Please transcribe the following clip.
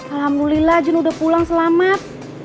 alhamdulillah jun udah pulang selamat